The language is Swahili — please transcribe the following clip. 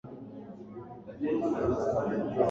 hasa uvuvi bahariniLibya ni nchi ya Afrika ya Kaskazini kwenye